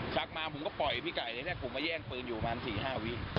ฉักมาผมก็ปล่อยพี่ไก่เลยนะคุณมาแย่งพื้นอยู่ประมาณ๔๕วิมี